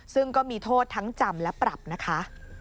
ซึ่งก็มีโทษทั้งจำและปรับนะคะ